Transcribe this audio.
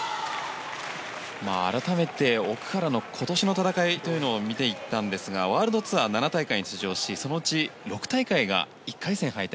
改めて奥原の今年の戦いを見ていったんですがワールドツアー７大会に出場しそのうち６大会が１回戦敗退。